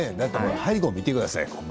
背後を見てください。